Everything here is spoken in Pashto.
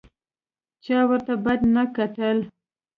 چا ورته بد نه کتل.